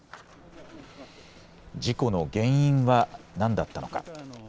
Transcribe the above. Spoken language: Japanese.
事故の原因は何だったのか。